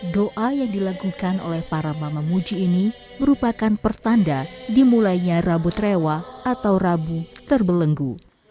doa yang dilakukan oleh para mama muji ini merupakan pertanda dimulainya rabu trewa atau rabu terbelenggu